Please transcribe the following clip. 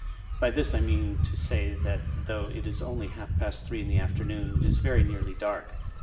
By this I mean to say that though it is only haK past three in the afternoon, it is very nearly dark.